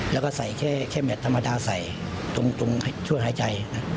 แล้วก็ใส่แค่แมทธรรมดาใส่ตรงช่วยหายใจ